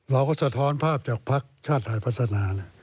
เราก็สะท้อนภาพจากภาคชาติไทยพัฒนา